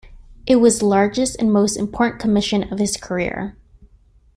It was the largest and most important commission of his career.